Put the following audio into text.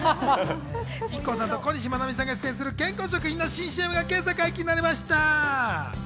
ＩＫＫＯさんと小西真奈美さんが出演する健康食品の新ＣＭが今朝解禁になりました。